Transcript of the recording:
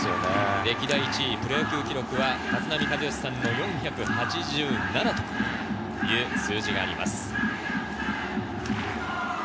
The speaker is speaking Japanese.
歴代１位プロ野球は立浪和義さんの４８７という数字です。